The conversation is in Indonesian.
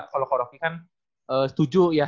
kalau ke rocky kan setuju ya